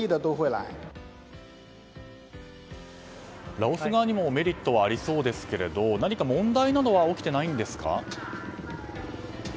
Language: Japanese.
ラオス側にもメリットはありそうですけども何か問題などは起きていないんですか？